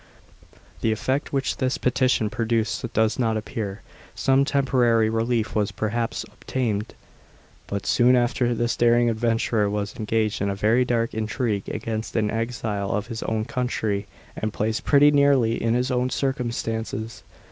The effect which this petition produced does not appear. Some temporary relief was perhaps obtained. But, soon after, this daring adventurer was engaged in a very dark intrigue against an exile of his own country, and placed pretty nearly in his own circumstances.